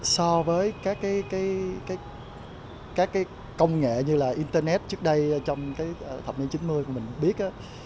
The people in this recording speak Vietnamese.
so với các công nghệ như là internet trước đây trong thập niên chín mươi của mình biết